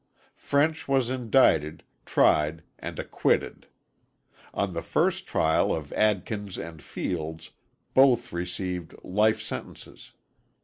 French was indicted, tried and acquitted. On the first trial of Adkins and Fields both received life sentences.